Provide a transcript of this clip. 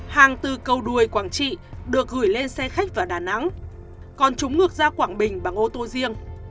hàng từ cầu đuôi quảng trị được gửi lên xe khách vào đà nẵng còn chúng ngược ra quảng bình bằng ô tô riêng